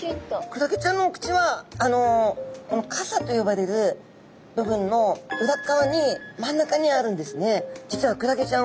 クラゲちゃんのお口はこの傘と呼ばれる部分の裏側に真ん中にあるんですね。